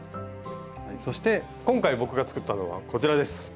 そして今回僕が作ったのはこちらです。